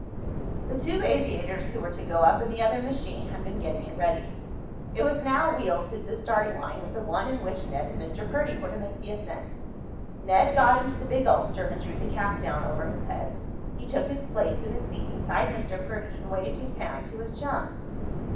The two aviators who were to go up in the other machine had been getting it ready. It was now wheeled to the starting line with the one in which Ned and Mr. Perdy were to make the ascent. Ned got into the big ulster and drew the cap down over his head. He took his place in the seat beside Mr. Perdy and waved his hand to his chums.